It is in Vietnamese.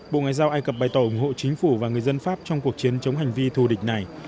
bộ ngoại giao ai cập bày tỏ ủng hộ chính phủ và người dân pháp trong cuộc chiến chống hành vi thù địch này